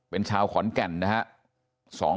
เป็นชาวขอนแก่นนะครับ